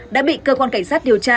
đã bị cơ quan cảnh sát điều tra